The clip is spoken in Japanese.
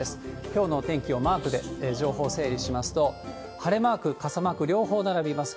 きょうのお天気をマークで情報整理しますと、晴れマーク、傘マーク、両方並びます。